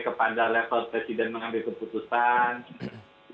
kepada level presiden mengambil keputusan